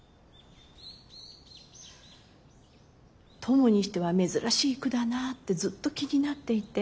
トモにしては珍しい句だなってずっと気になっていて。